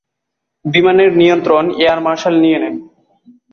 বিমানের নিয়ন্ত্রণ air marshal নিয়ে নেন।